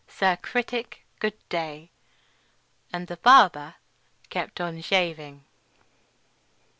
Sir Critic, good day!" And the barber kept on shaving.